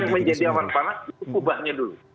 yang menjadi awan panas itu kubahnya dulu